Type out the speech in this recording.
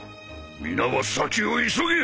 皆は先を急げ！